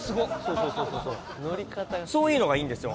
そういうのがいいんですよ。